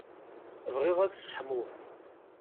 Bɣiɣ ad sseḥmuɣ.